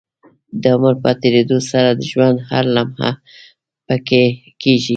د عمر په تيريدو سره د ژوند هره لمحه پيکه کيږي